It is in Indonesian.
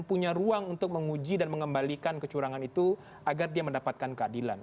punya ruang untuk menguji dan mengembalikan kecurangan itu agar dia mendapatkan keadilan